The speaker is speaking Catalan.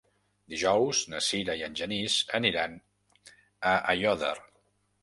Dijous na Sira i en Genís aniran a Aiòder.